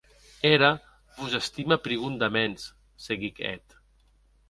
Era vos estime prigondaments, seguic eth.